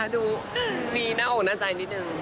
ดูมีหน้าอกหน้าใจนิดนึง